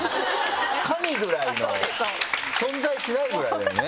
神ぐらいの存在しないぐらいだよね。